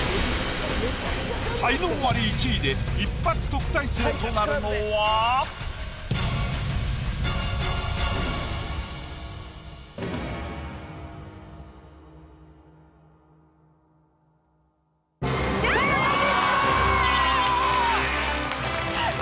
才能アリ１位で一発特待生となるのは⁉田中道子！